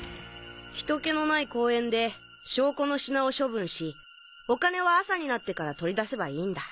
人気のない公園で証拠の品を処分しお金は朝になってから取り出せばいいんだ。